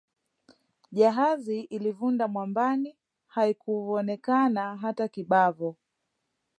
Jahazi ilivunda mwambani haikuvonekana hata kibavo.